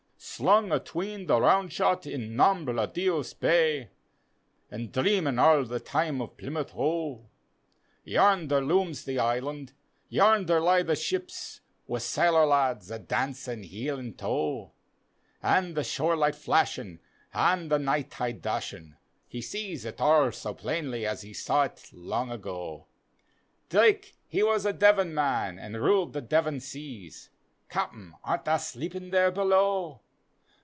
Slung atween the round shot in Nombre Dios Bay, An' dreamin' arl the time o' Plymouth Hoe. Yamder lumes the Island, yamdcr lie the ships, Wi' sailor lads a dancin' heel an' toe. An' the shore li^t flashin' an' the night tidc dashin' He sees et arl so plainly as he saw et long ago. D,gt,, erihyGOOgle 43 The Haunted Hour Drake he was a Devon man, an' ruled the Devon seas, (Capten, art tha sleepin' there below?)